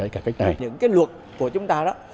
cái cách này những cái luật của chúng ta